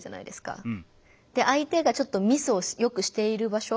相手がちょっとミスをよくしている場所